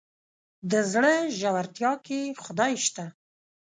د زړه ژورتيا کې خدای شته.